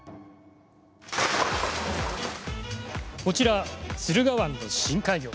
こちら駿河湾の深海魚。